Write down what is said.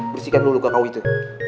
bersihkan dulu kakau itu